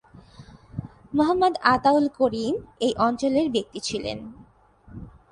মোহাম্মদ আতাউল করিম এই অঞ্চলের ব্যক্তি ছিলেন।